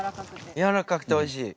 やわらかくておいしい？